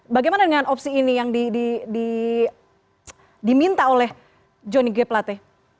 bagaimana dengan opsi ini yang diminta oleh johnny g plate